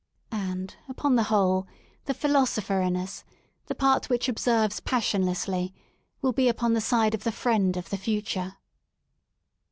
And, upon the whole, the Philo sopher in us, the part which observes passionlessly, will be upon the side of the friend of the future.